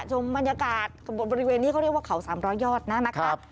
ชมบริเวณบริเวณนี้เขาเรียกว่าเขาสามร้อยอดน่ะนะคะ